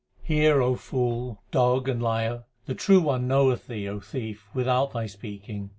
Hear, O fool, dog, and liar, The True One knoweth thee, O thief, without thy speaking.